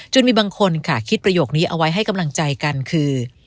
มีบางคนค่ะคิดประโยคนี้เอาไว้ให้กำลังใจกันคือ